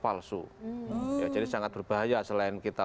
palsu jadi sangat berbahaya selain kita